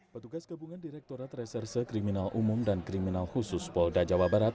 petugas gabungan direktorat reserse kriminal umum dan kriminal khusus polda jawa barat